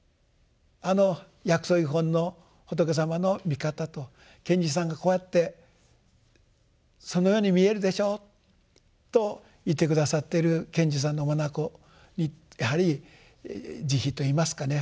あの「薬草喩品」の仏様の見方と賢治さんがこうやってそのように見えるでしょうと言って下さっている賢治さんの眼にやはり慈悲といいますかね